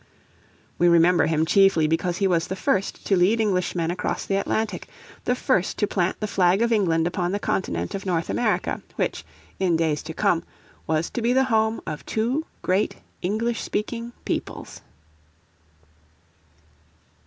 We remember him chiefly because he was the first to lead Englishmen across the Atlantic, the first to plant the flag of England upon the Continent of North America, which, in days to come, was to be the home of two great English speaking peoples.